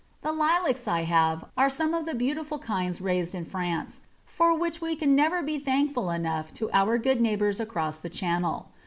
The Lilacs I have are some of the beautiful kinds raised in France, for which we can never be thankful enough to our good neighbours across the Channel.